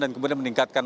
dan kemudian meningkatkan